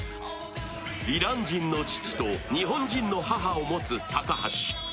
イラン人の父と日本人の母を持つ高橋。